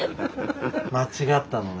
間違ったのね。